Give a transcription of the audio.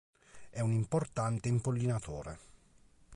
È un importante impollinatore.